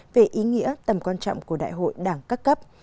về ý nghĩa tầm quan trọng của đại hội đảng các cấp